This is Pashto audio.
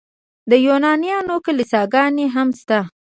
د یونانیانو کلیساګانې هم شته.